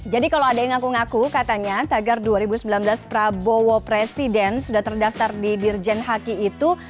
jadi kalau ada yang ngaku ngaku katanya tagar dua ribu sembilan belas prabowo presiden sudah terdaftar di dirjan haki itu